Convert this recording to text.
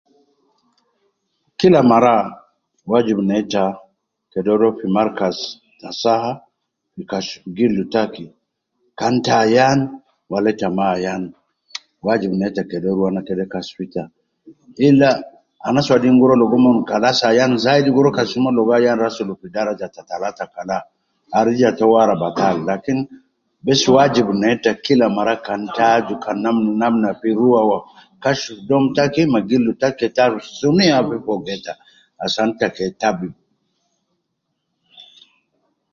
Kila mara wajib neita kede ruwa fi markaz saha kashif gildu taki kan ita Ayan Wala ita maa Ayan wajib neita kede ruwa kekashif gildu taki. Illa anas wadin gu ruwa na logo umon kalas Ayan zaidi fi daraja ta talata kala arija to wara batal lakin Bess wajib neita kan ita aju ruwa kashif gildu taki kan ta Ayan au sunu ya batal ma nafsi taki